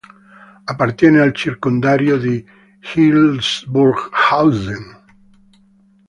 Appartiene al circondario di Hildburghausen.